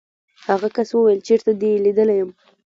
هغه کس وویل چېرته دې لیدلی یم.